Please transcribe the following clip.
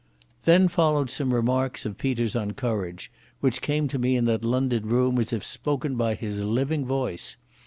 Then followed some remarks of Peter's on courage, which came to me in that London room as if spoken by his living voice.